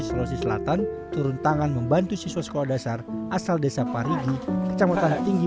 sulawesi selatan turun tangan membantu siswa sekolah dasar asal desa parigi kecamatan tinggi